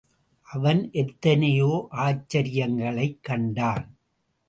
அவன் எத்தனையோ ஆச்சரியங்களைக் கண்டான்.